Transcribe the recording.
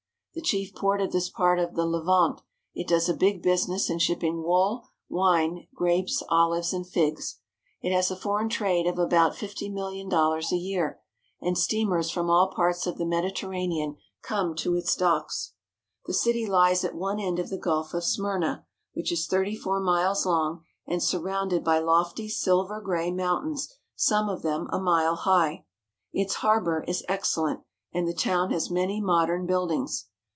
The chief port of this part of the Levant, it does a big business in shipping wool, wine, grapes, olives, and figs. It has a foreign trade of about fifty million dollars a year, and steamers from all parts of the Mediterranean come to its docks. The city lies at one end of the Gulf of Smyrna, which is thirty four miles long and surrounded by lofty silver gray mountains some of them a mile high. Its harbour is excellent, and the town has many modern buildings.